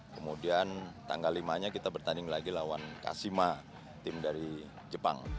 kemudian tanggal lima nya kita bertanding lagi lawan kasima tim dari jepang